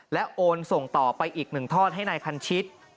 และโอนส่งต่อไปอีก๑ทอดให้นายพันชิต